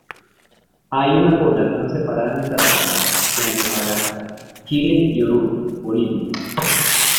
Hay una población separada en Tarapacá y Antofagasta, Chile y Oruro, Bolivia.